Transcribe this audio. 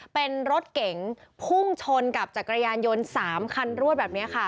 เป็นรถเก๋งพุ่งชนกับจักรยานยนต์๓คันรวดแบบนี้ค่ะ